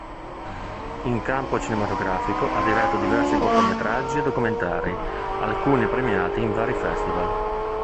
In campo cinematografico ha diretto diversi cortometraggi e documentari, alcuni premiati in vari festival.